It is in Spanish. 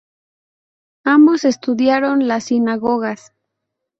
Ambos estudiaron las sinagogas.